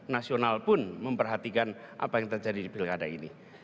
nasional pun memperhatikan apa yang terjadi di pilkada ini